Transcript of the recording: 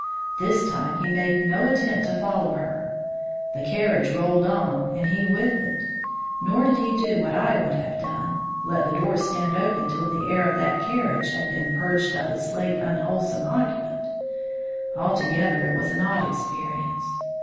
This time he made no attempt to follow her; the carriage rolled on and he with it. Nor did he do what I would have done, let the door stand open till the air of that carriage had been purged of its late unwholesome occupant. Altogether, it was an odd experience.